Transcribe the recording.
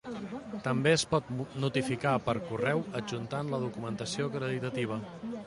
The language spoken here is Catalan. També es pot notificar per correu adjuntant la documentació acreditativa.